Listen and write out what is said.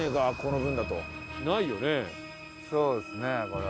そうですねこれは。